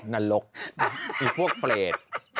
นรกไอ้พวกเปรต